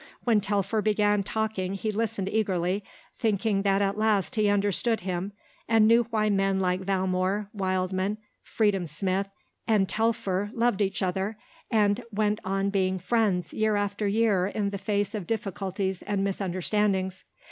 When Telfer began talking he listened eagerly, thinking that at last he understood him and knew why men like Valmore, Wildman, Freedom Smith, and Telfer loved each other and went on being friends year after year in the face of difficulties and misunderstandings.